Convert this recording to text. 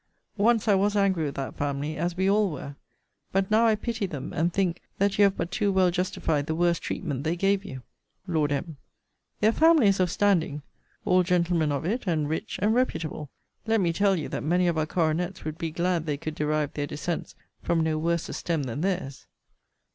Once I was angry with that family, as we all were. But now I pity them; and think, that you have but too well justified the worse treatment they gave you. Lord M. Their family is of standing. All gentlemen of it, and rich, and reputable. Let me tell you, that many of our coronets would be glad they could derive their descents from no worse a stem than theirs.